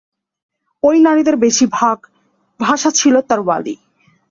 ওই নারীদের বেশির ভাগের ভাষা ছিল তরওয়ালি।